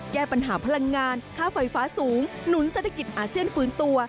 แก้ปัญหาพลังงานค่าไฟฟ้าสูงหนุนเศรษฐกิจอาเซียนฟื้นตัว